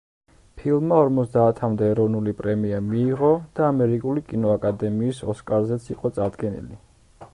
ფილმმა ორმოცდაათამდე ეროვნული პრემია მიიღო და ამერიკული კინოაკადემიის ოსკარზეც იყო წარდგენილი.